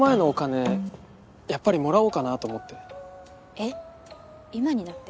えっ今になって？